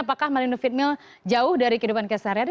apakah malindo feed mill jauh dari kehidupan keseharian